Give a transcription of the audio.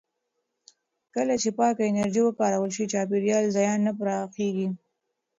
کله چې پاکه انرژي وکارول شي، چاپېریالي زیان نه پراخېږي.